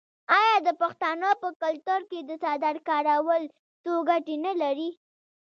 آیا د پښتنو په کلتور کې د څادر کارول څو ګټې نلري؟